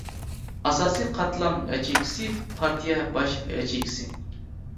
ئاساسىي قاتلام ياچېيكىسى، پارتىيە باش ياچېيكىسى.